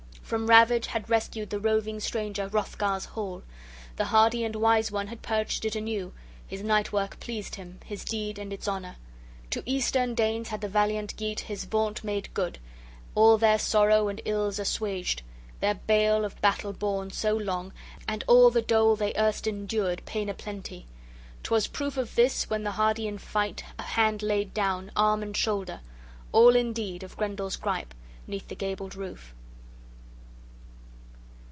From ravage had rescued the roving stranger Hrothgar's hall; the hardy and wise one had purged it anew. His night work pleased him, his deed and its honor. To Eastern Danes had the valiant Geat his vaunt made good, all their sorrow and ills assuaged, their bale of battle borne so long, and all the dole they erst endured pain a plenty. 'Twas proof of this, when the hardy in fight a hand laid down, arm and shoulder, all, indeed, of Grendel's gripe, 'neath the gabled roof.